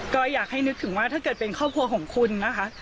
ก็อยากให้นึกถึงว่าถ้าเกิดเป็นครอบครัวของคุณนะคะ